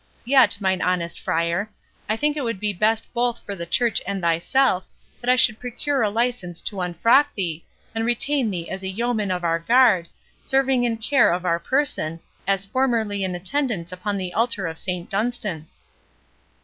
Yet, mine honest Friar, I think it would be best both for the church and thyself, that I should procure a license to unfrock thee, and retain thee as a yeoman of our guard, serving in care of our person, as formerly in attendance upon the altar of Saint Dunstan."